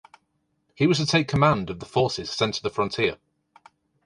He was to take command of the forces sent to the frontier.